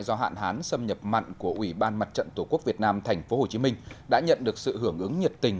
do hạn hán xâm nhập mặn của ủy ban mặt trận tổ quốc việt nam tp hcm đã nhận được sự hưởng ứng nhiệt tình